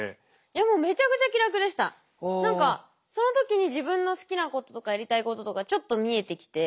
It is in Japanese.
いやもう何かその時に自分の好きなこととかやりたいこととかちょっと見えてきて。